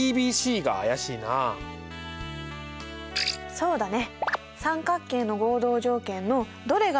そうだね。